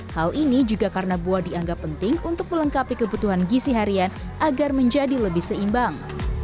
hal ini juga karena buah dianggap penting untuk melengkapi kebutuhan gizi harian agar menjadi lebih seimbang